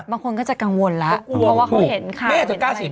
บางคนก็จะกังวลแล้วเพราะว่าเขาเห็นข่าว